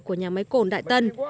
của nhà máy cổn đại tân